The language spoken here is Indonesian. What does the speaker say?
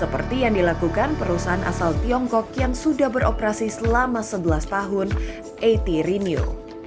seperti yang dilakukan perusahaan asal tiongkok yang sudah beroperasi selama sebelas tahun at renew